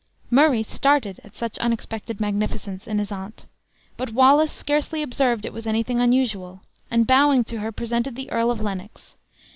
Murray started at such unexpected magnificence in his aunt. But Wallace scarcely observed it was anything unusual, and bowing to her, presented the Earl of Lennox.